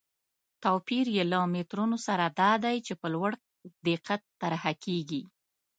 توپیر یې له مترونو سره دا دی چې په لوړ دقت طرحه کېږي.